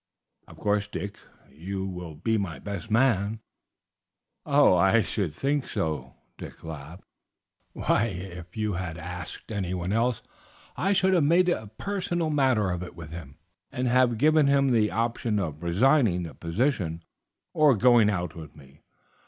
"Of course, Dick, you will be my best man." "I should think so," Dick laughed. "Why, if you had asked anyone else I should have made a personal matter of it with him, and have given him the option of resigning the position or going out with me.